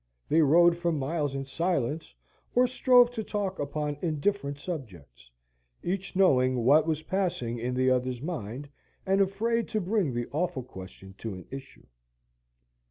They rode for miles in silence, or strove to talk upon indifferent subjects; each knowing what was passing in the other's mind, and afraid to bring the awful question to an issue.